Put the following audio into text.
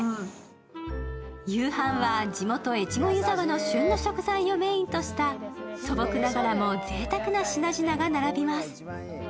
夕飯は地元・越後湯沢の旬の食材をメインとした素朴ながらもぜいたくな品々が並びます。